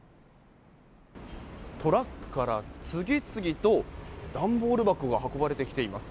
トラックから次々と段ボール箱が運ばれてきています。